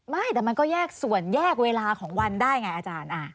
ไม่แต่มันก็แยกส่วนแยกเวลาของวันได้ไงอาจารย์